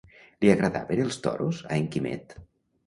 Li agradaven els toros a en Quimet?